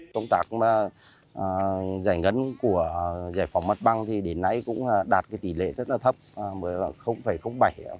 công tác giải ngân của giải phóng mặt bằng thì đến nay cũng đạt tỷ lệ rất là thấp bảy